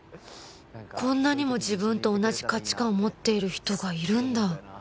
こんなにも自分と同じ価値観を持っている人がいるんだ